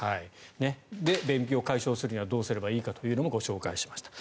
便秘を解消するにはどうすればいいのかもご紹介しました。